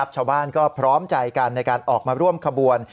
ชาวบ้านก็พร้อมใจกันในการออกมาร่วมขบวน